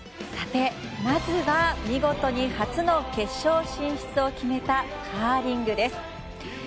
まずは見事に初の決勝進出を決めたカーリングです。